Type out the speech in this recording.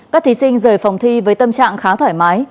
các thí sinh rời phòng thi với tâm trạng khá thoải mái